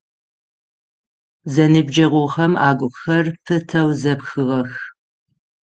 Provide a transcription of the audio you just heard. Зэныбджэгъухэм агухэр пытэу зэпхыгъэх.